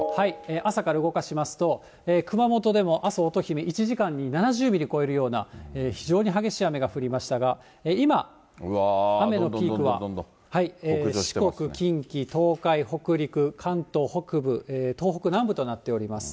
朝から動かしますと、熊本でも、、１時間に７０ミリ超えるような、非常に激しい雨が降りましたが、今、雨のピークは、四国、近畿、東海、北陸、関東北部、東北南部となっております。